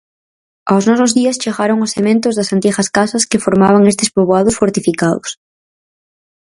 Aos nosos días chegaron os cementos das antigas casas que formaban estes poboados fortificados.